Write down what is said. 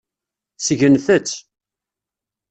Segnet-tt.